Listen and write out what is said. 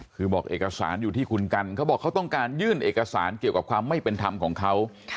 คือบอกเอกสารอยู่ที่คุณกันเขาบอกเขาต้องการยื่นเอกสารเกี่ยวกับความไม่เป็นธรรมของเขา